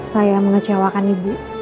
saya mengecewakan ibu